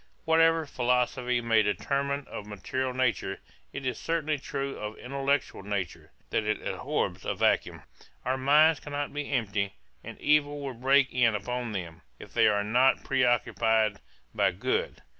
Whatever philosophy may determine of material nature, it is certainly true of intellectual nature, that it abhors a vacuum: our minds cannot be empty; and evil will break in upon them, if they are not pre occupied by good.